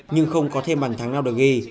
nhưng không có thêm bàn thắng nào được ghi